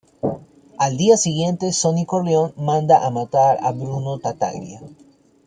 Al día siguiente Sony Corleone manda a matar a Bruno Tattaglia.